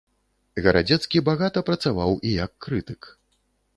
Гарадзецкі багата працаваў і як крытык.